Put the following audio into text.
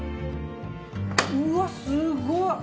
うわすごい。